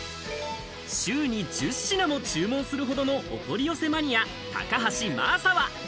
週に１０品も注文するほどのお取り寄せマニア高橋真麻は。